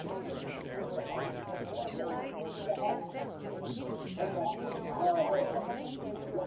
Victorian schools followed a strict gender-based division of labor during specific activities.